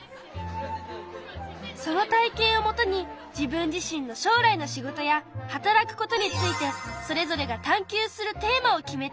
その体験をもとに自分自身のしょうらいの仕事や働くことについてそれぞれが探究するテーマを決めたんだ。